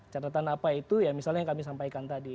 catatan apa itu ya misalnya yang kami sampaikan tadi